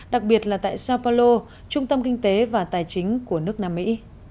đặc biệt là tại sao paulo trung tâm kinh tế và tài chính của nước nam mỹ